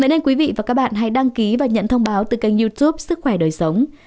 nên quý vị và các bạn hãy đăng ký và nhận thông báo từ kênh youtube sức khỏe đời sống